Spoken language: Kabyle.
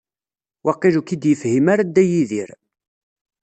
Waqil ur k-id-yefhim ara Dda Yidir.